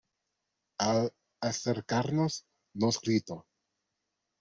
al acercarnos nos gritó: